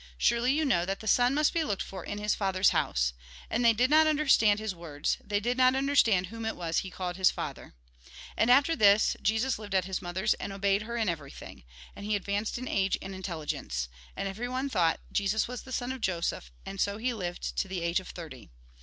Surely you know that the son must be looked for in his Father's house ?" And they did not understand his words ; they did not understand whom it was he called his Father And after this, Jesus lived at his mother's, and obeyed her in everything. And he advanced in age and intelligence. And everyone thought that Jesus was the son of Joseph ; and so he lived to the age of thirty.